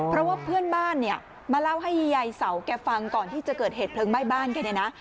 เพราะว่าเพื่อนบ้านเนี่ยมาเล่าให้ยายเสาแกฟังก่อนที่จะเกิดเหตุเพลิงไหม้บ้านแกเนี่ยนะ